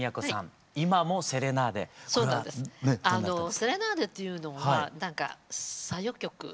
「セレナーデ」っていうのはなんか小夜曲。